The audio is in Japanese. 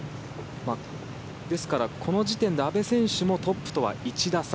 ですからこの時点で阿部選手もトップとは１打差。